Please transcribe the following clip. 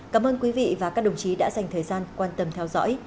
cảm ơn quý vị và các đồng chí đã dành thời gian quan tâm theo dõi